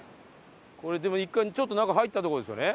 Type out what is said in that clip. これでも１回ちょっと中入ったとこですよね。